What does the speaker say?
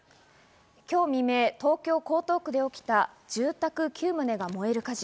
今日未明、東京・江東区で起きた住宅９棟が燃える火事。